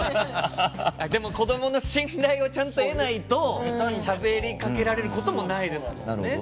子供の信頼をちゃんと得ないとしゃべりかけられることもないですもんね。